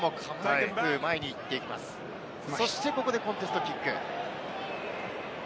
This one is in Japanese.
ここでコンテストキック。